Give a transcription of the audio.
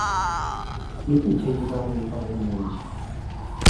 Miti ki egivaamu embaawo ennungi?